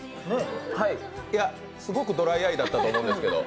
すごくドライアイだったと思うんですけど。